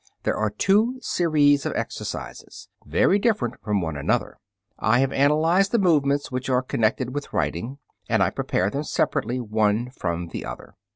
There are two series of exercises, very different from one another. I have analyzed the movements which are connected with writing, and I prepare them separately one from the other.